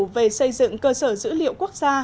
về xây dựng cơ sở dữ liệu quốc gia